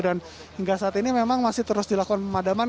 dan hingga saat ini memang masih terus dilakukan pemadaman